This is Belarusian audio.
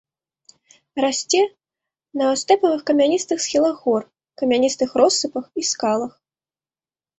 Расце на стэпавых камяністых схілах гор, камяністых россыпах і скалах.